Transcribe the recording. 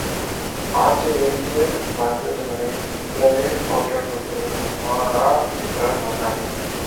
ஆத்திலேருந்து வந்ததுகளையும் உள்ளவே போட்டுடனும்டா! என்றார் முதலாளி.